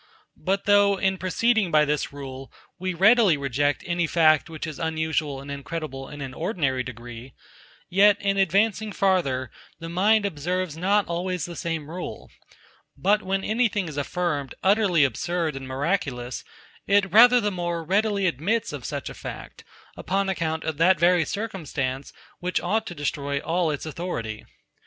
But though, in proceeding by this rule, we readily reject any fact which is unusual and incredible in an ordinary degree; yet in advancing farther, the mind observes not always the same rule; but when anything is affirmed utterly absurd and miraculous, it rather the more readily admits of such a fact, upon account of that very circumstance, which ought to destroy all its authority.